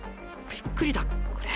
びっくりだこれ。